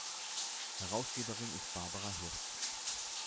Herausgeberin ist Barbara Hirt.